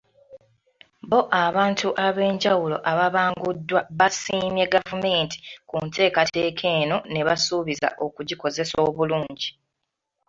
Bo abantu ab'enjawulo ababanguddwa basiimye gavumenti ku nteekateeka eno ne basuubiza okugikozesa obulungi.